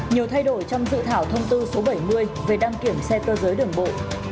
nhiều thay đổi trong dự thảo thông tư số bảy mươi về đăng kiểm xe cơ giới đường bộ